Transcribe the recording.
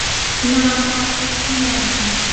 น้ำพระพุทธมนต์